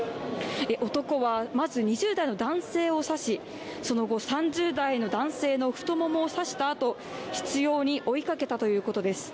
男はまず２０代の男性を刺しその後、３０代の男性の太ももを刺したあと執ように追いかけたということです。